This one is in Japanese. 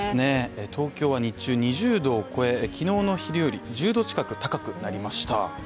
東京は日中、２０度を超え、昨日の昼より１０度近く高くなりました。